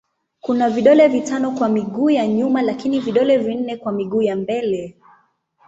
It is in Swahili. Kuna vidole vitano kwa miguu ya nyuma lakini vidole vinne kwa miguu ya mbele.